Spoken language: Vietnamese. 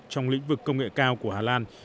trong lĩnh vực công nghệ cao của hà lan